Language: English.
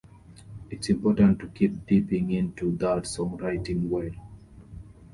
It's important to keep dipping into that songwriting well.